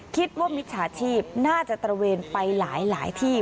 มิจฉาชีพน่าจะตระเวนไปหลายที่